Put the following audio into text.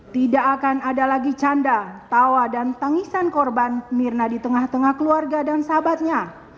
tidak akan ada lagi canda tawa dan tangisan korban mirna di tengah tengah keluarga dan sahabatnya